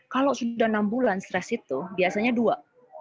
kalau sudah enam bulan stres itu biasanya dua